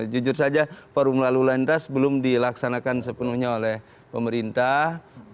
jujur saja forum lalu lintas belum dilaksanakan sepenuhnya oleh pemerintah